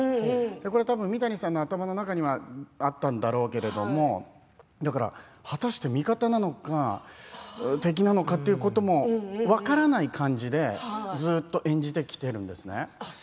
これは、三谷さんの頭の中にはあったんだろうけれども果たして味方なのか敵なのかということも分からない感じでずーっと演じてきているんですね。